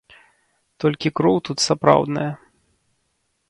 Толькі кроў тут сапраўдная.